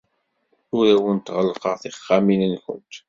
Ur awent-ɣellqeɣ tixxamin-nwent.